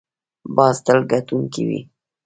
باز تل ګټونکی وي